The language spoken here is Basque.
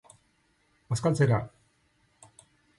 Bazkaltzera!